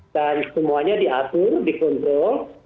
dan semuanya diatur dikontrol